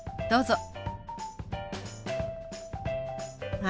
どうぞ。